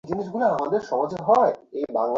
ওহ, দেখি তো।